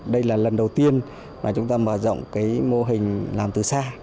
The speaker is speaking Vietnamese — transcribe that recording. đây là lần đầu tiên mà chúng ta mở rộng cái mô hình làm từ xa